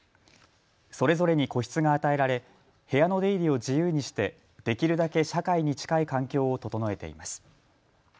それぞれに個室が与えられ部屋の出入りを自由にしてできるだけ社会に近い環境を整えています。